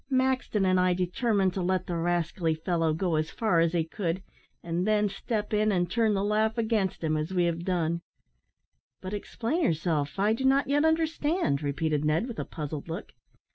Maxton and I determined to let the rascally fellow go as far as he could, and then step in and turn the laugh against him, as we have done." "But explain yourself. I do not yet understand," repeated Ned, with a puzzled look.